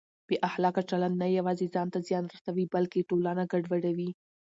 بې اخلاقه چلند نه یوازې ځان ته زیان رسوي بلکه ټولنه ګډوډوي.